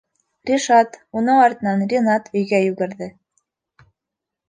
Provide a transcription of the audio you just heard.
Ришат, уның артынан Ринат өйгә йүгерҙе.